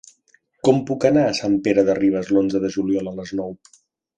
Com puc anar a Sant Pere de Ribes l'onze de juliol a les nou?